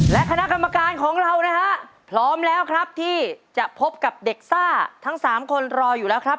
และคณะกรรมการของเรานะฮะพร้อมแล้วครับที่จะพบกับเด็กซ่าทั้ง๓คนรออยู่แล้วครับ